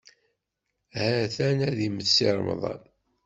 Ha-t-an ad immet Si Remḍan.